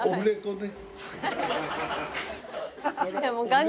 でも。